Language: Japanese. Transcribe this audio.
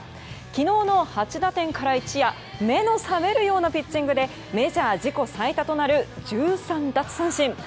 昨日の８打点から一夜目の覚めるようなピッチングでメジャー自己最多となる１３奪三振。